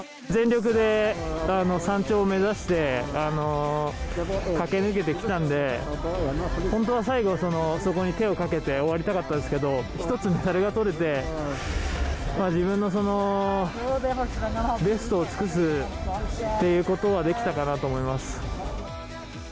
全力で山頂を目指して、駆け抜けてきたんで、本当は最後、そこに手をかけて終わりたかったですけど、１つメダルがとれて、自分のその、ベストを尽くすということはできたかなと思います。